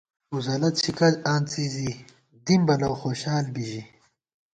ووزَلہ څھِکہ آنڅی زی دِم بہ لؤخوشال بی ژِی